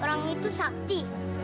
orang itu sakti